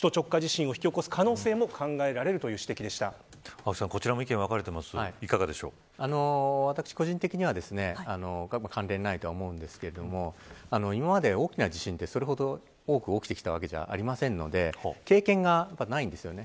青木さん、こちらも意見が分かれていますが私個人的には関連ないとは思うんですけれども今まで大きな地震って、それほど多く起きてきたわけではないので経験がないんですよね。